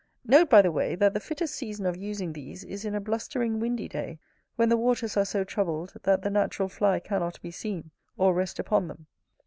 Note, by the way, that the fittest season of using these is in a blustering windy day, when the waters are so troubled that the natural fly cannot be seen, or rest upon them.